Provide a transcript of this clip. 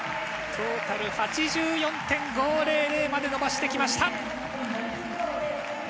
トータル８４．５００まで伸ばしてきました。